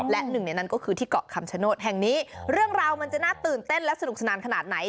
และหนึ่งในนั้นก็คือที่เกาะคำชโนธแห่งนี้เรื่องราวมันจะน่าตื่นเต้นและสนุกสนานขนาดไหน